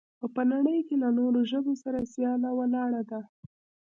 او په نړۍ کې له نورو ژبو سره سياله ولاړه ده.